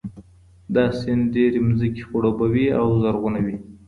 دا سیند ډېري ځمکي خړوبوي او زرغونوي.